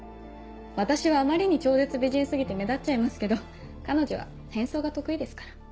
私はあまりに超絶美人過ぎて目立っちゃいますけど彼女は変装が得意ですから。